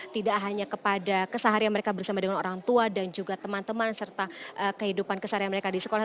tidak hanya kepada keseharian mereka bersama dengan orang tua dan juga teman teman serta kehidupan keseharian mereka di sekolah